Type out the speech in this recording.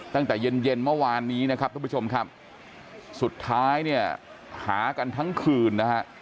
ตั้งแต่เย็นเมื่อวานนี้สุดท้ายหากันทั้งคืน